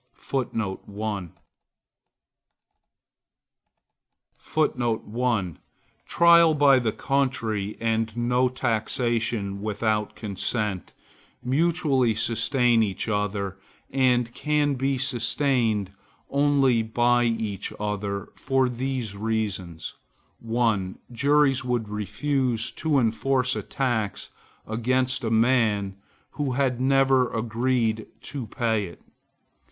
Trial by the country, and no taxation without consent, mutually sustain each other, and can be sustained only by each other, for these reasons: 1. Juries would refuse to enforce a tax against a man who had never agreed to pay it.